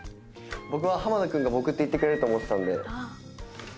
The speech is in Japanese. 僕は濱田君が僕って言ってくれると思ってたんで。